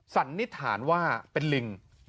สันนิษฐานว่าเป็นลิง